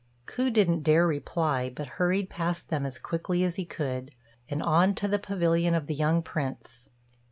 Ku didn't dare reply, but hurried past them as quickly as he could, and on to the pavilion of the young Prince.